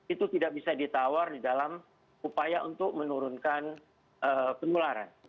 itu tidak bisa ditawar di dalam upaya untuk menurunkan penularan